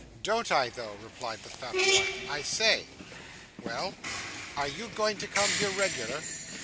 'Don't I, though?' replied the fat boy. 'I say?' 'Well?' 'Are you going to come here regular?